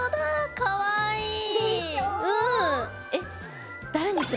かわいい！でしょ。